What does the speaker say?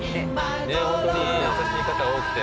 ホントに優しい方が多くて。